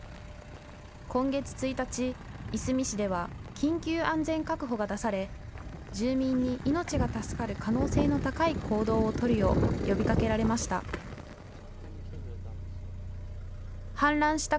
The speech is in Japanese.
今月１日、いすみ市では緊急安全確保が出され住民に命が助かる可能性の高い行動を取るよう呼びかけられました。